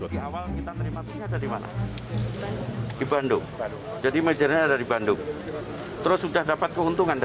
tujuh juta di awal jadi di awal kita nerima tujuh juta di dp di awal oh di dp di awal terus setornya kemana